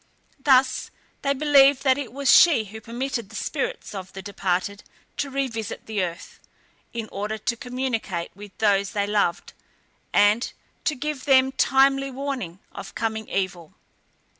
Thus they believed that it was she who permitted the spirits of the departed to revisit the earth, in order to communicate with those they loved, and to give them timely warning of coming evil.